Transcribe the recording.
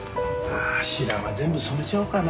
白髪全部染めちゃおうかな。